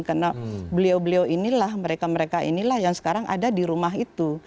karena beliau beliau inilah mereka mereka inilah yang sekarang ada di rumah itu